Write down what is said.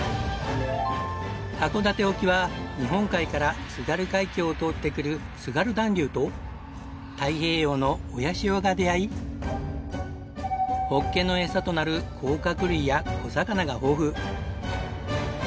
函館沖は日本海から津軽海峡を通ってくる津軽暖流と太平洋の親潮が出合いホッケの餌となる甲殻類や小魚が豊富。